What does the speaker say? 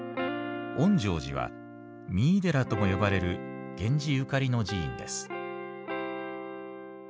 園城寺は三井寺とも呼ばれる源氏ゆかりの寺院です。